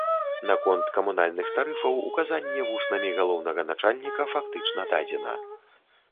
Наконт камунальных тарыфаў указанне вуснамі галоўнага начальніка фактычна дадзена.